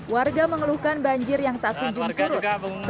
warga mengeluhkan banjir yang tak terkenang